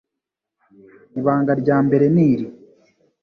Ibanga rya mbere niri